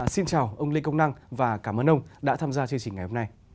xin chào ông lê công năng và cảm ơn ông đã tham gia chương trình ngày hôm nay